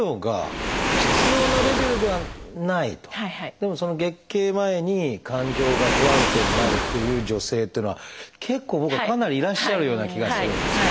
でも月経前に感情が不安定になるという女性っていうのは結構僕はかなりいらっしゃるような気がするんですよね。